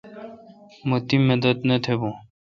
مہ تی مدد نہ تھبون۔